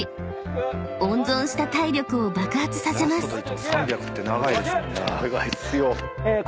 ［温存した体力を爆発させます］